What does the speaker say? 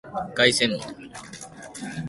凱旋門